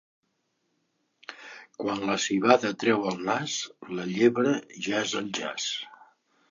Quan la civada treu el nas, la llebre ja és al jaç.